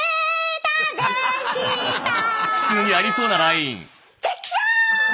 普通にありそうなライン。